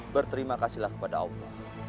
berterima kasih kepada allah